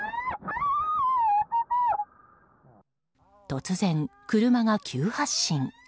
突然、車が急発進。